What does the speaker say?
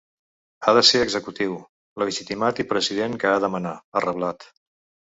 Ha de ser executiu, legitimat i president que ha de manar, ha reblat.